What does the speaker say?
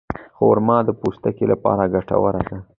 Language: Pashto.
خرما د پوستکي لپاره ګټوره ده.